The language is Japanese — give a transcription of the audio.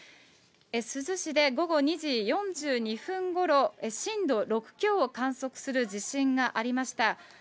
珠洲市で午後２時４２分ごろ、震度６強を観測する地震がありました。